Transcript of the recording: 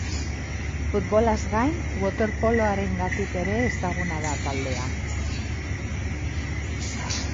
Futbolaz gain waterpoloarengatik ere ezaguna da taldea.